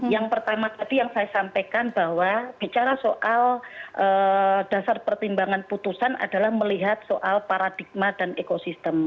yang pertama tadi yang saya sampaikan bahwa bicara soal dasar pertimbangan putusan adalah melihat soal paradigma dan ekosistem